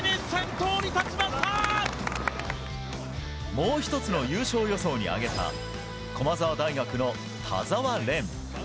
もう１つの優勝予想に挙げた駒澤大学の田澤廉。